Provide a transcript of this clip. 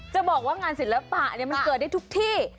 จะบอกว่างานศิลปะมันเกิดได้ทุกที่